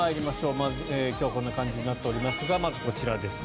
まずはこんな感じになっておりますがまず、こちらですね